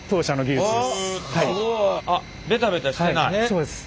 そうです。